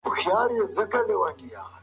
ما د خپلې خور لپاره یو سور رنګه قلم واخیست.